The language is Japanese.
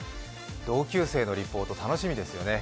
同級生のリポート、楽しみですよね